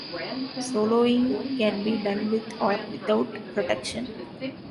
Soloing can be done with or without protection.